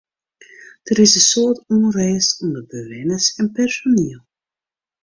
Der is in soad ûnrêst ûnder bewenners en personiel.